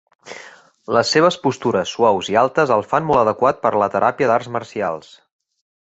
Les seves postures suaus i altes el fan molt adequat per a la teràpia d'arts marcials.